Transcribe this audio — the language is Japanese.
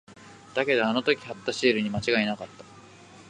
だけど、あの時貼ったシールに間違いなかった。